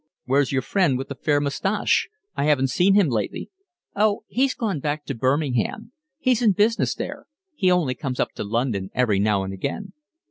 "Where's your friend with the fair moustache? I haven't seen him lately." "Oh, he's gone back to Birmingham. He's in business there. He only comes up to London every now and again."